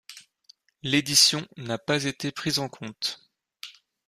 L’édition n’a pas été prise en compte.